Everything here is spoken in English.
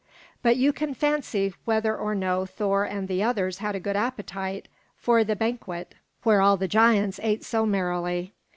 But you can fancy whether or no Thor and the others had a good appetite for the banquet where all the giants ate so merrily.